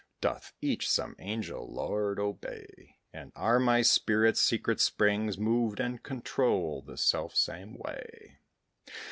Doth each some angel lord obey? And are my spirit's secret springs Moved and controlled the selfsame way?